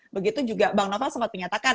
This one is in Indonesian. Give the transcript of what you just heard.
begitu juga bang novel sempat menyatakan